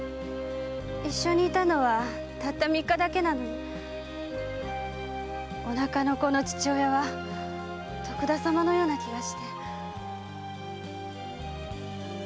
一緒にいたのはたった三日だけなのにお腹の子の父親は徳田様のような気がして。